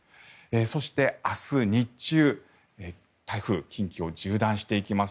そして、明日日中台風、近畿を縦断していきます。